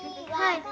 「はい。